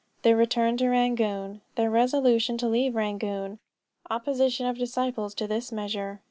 THEIR RETURN TO RANGOON. THEIR RESOLUTION TO LEAVE RANGOON. OPPOSITION OF DISCIPLES TO THIS MEASURE.